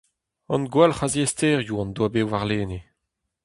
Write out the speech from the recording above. Hon gwalc'h a ziaesterioù hon doa bet warlene.